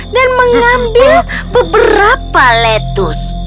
dan mengambil beberapa lettuce